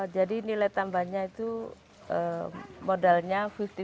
jadi nilai tambahnya itu modalnya lima puluh lima puluh